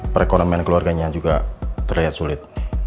perekonomian keluarganya juga terlihat sulit